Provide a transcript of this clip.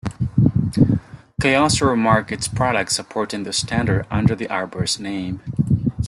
Kyocera markets products supporting the standard under the iBurst name.